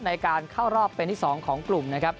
ในการเข้ารอบเป็นที่๒ของกลุ่มนะครับ